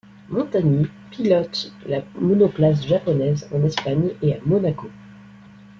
Montagny pilote la monoplace japonaise en Espagne et à Monaco.